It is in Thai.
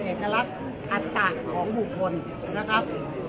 อันนี้คือ๑จานที่คุณคุณค่อยอยู่ด้านข้างข้างนั้น